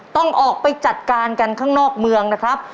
ต้องออกไปจัดการกันข้างนอกเมืองนะครับ